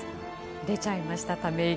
出ちゃいました、ため息。